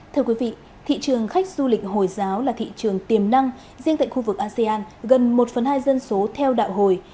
thưa quý vị thị trường khách du lịch hồi giáo là thị trường tiềm năng riêng tại khu vực asean gần một phần hai dân số theo đạo hồi